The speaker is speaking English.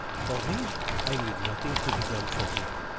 "For me? I need nothing to be done for me.